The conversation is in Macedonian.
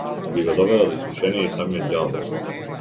Би го довела до искушение и самиот ѓавол.